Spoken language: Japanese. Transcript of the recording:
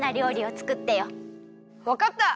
わかった！